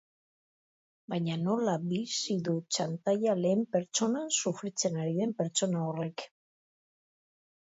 Baina nola bizi du txantaia lehen pertsonan sufritzen ari den pertsona horrek?